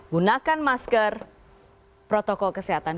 gunakan masker protokol kesehatan